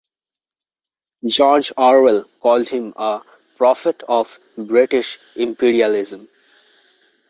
George Orwell called him a "prophet of British imperialism".